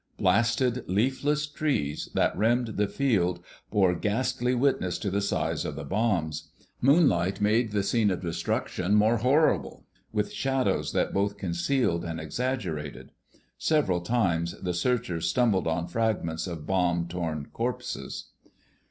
Blasted, leafless trees that rimmed the field bore ghastly witness to the size of the bombs. Moonlight made the scene of destruction more horrible, with shadows that both concealed and exaggerated. Several times the searchers stumbled on fragments of bomb torn corpses.